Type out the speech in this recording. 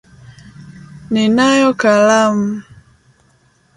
Ninayo kalamu.